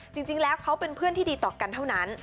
จริงแล้วเขาเป็นเพื่อนที่ดีต่อกันเท่านั้น